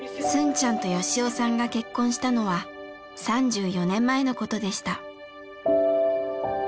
ちゃんと良夫さんが結婚したのは３４年前のことでした。